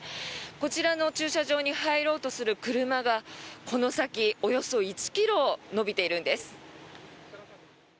こちらの駐車場に入ろうとする車がこの先およそ１ｋｍ延びているんです。